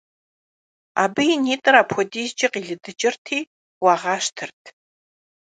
Абы и нитӀыр апхуэдизкӀэ къилыдыкӀырти, уагъащтэрт.